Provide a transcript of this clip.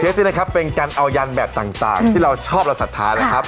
นี้นะครับเป็นการเอายันแบบต่างที่เราชอบเราศรัทธานะครับ